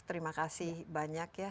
terima kasih banyak ya